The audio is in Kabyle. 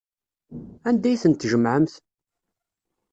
Anda ay tent-tjemɛemt?